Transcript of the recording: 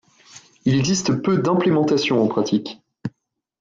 Il existe peu d'implémentations en pratique.